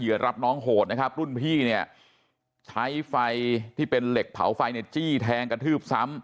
เท่ากับน้องโหดนะรุ่นพี่เนี่ยใช้ไฟที่เป็นเหล็กเผาไฟในจี้แทงกระทืบ